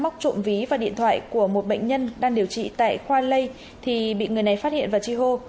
móc trộm ví và điện thoại của một bệnh nhân đang điều trị tại khoa lây thì bị người này phát hiện và chi hô